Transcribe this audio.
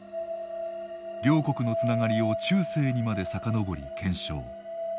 両国のつながりを中世にまでさかのぼり検証。